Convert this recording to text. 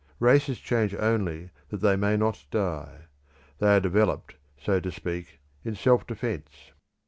Races change only that they may not die; they are developed, so to speak, in self defence.